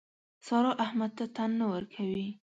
سارا احمد ته تن نه ورکوي.